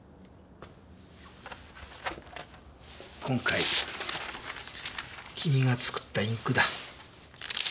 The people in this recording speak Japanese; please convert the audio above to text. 今回君が作ったインクだ。